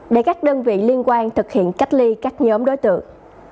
để các đơn vị liên quan thực hiện cách ly các nhóm đối tượng